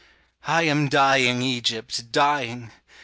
I am dying, Egypt, dying.